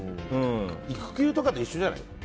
育休とかと一緒じゃない？